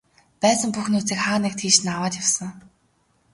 Байсан бүх нөөцийг хаа нэг тийш нь аваад явсан.